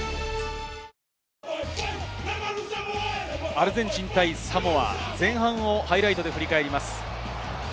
アルゼンチン対サモア、前半をハイライトで振り返ります。